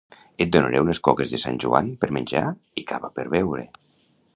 Et donaré unes coques de Sant Joan per menjar i cava per beure